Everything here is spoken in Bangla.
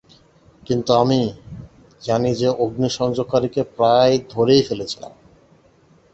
কিন্তু আমি জানি যে অগ্নিসংযোগকারীকে প্রায় ধরেই ফেলেছিলাম।